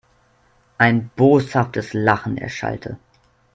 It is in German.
Ein boshaftes Lachen erschallte.